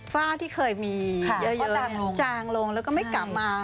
ฝ้าที่เคยมีเยอะแยะจางลงแล้วก็ไม่กลับมา